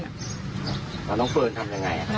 น้องเฟิร์นทำยังไง